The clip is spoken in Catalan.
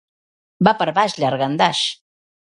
Va per baix, llangardaix.